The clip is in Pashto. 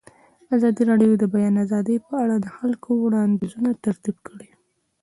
ازادي راډیو د د بیان آزادي په اړه د خلکو وړاندیزونه ترتیب کړي.